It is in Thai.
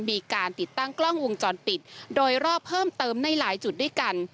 มีการติดตั้งกล้องวงจรปิดโดยรอบเพิ่มเติมในหลายจุดด้วยกัน